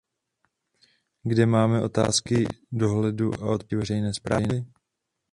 Kde máme otázku dohledu a odpovědnosti veřejné správy?